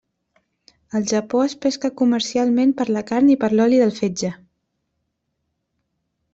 Al Japó es pesca comercialment per la carn i per l'oli del fetge.